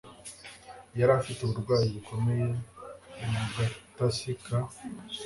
Yari afite uburwayi bukomeye mu gatasi ka .